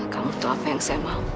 kamu tahu apa yang saya mau